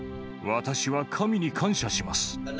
私は神に感謝します。